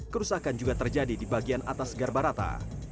kerusakan juga terjadi di bagian atas garbarata